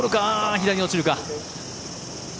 左に落ちるか？